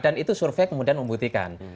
dan itu survei kemudian membuktikan